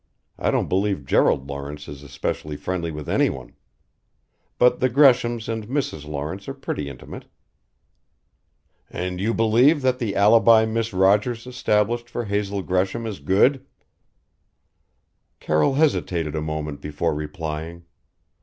I don't believe Gerald Lawrence is especially friendly with anyone. But the Greshams and Mrs. Lawrence are pretty intimate." "And you believe that the alibi Miss Rogers established for Hazel Gresham is good?" Carroll hesitated a moment before replying.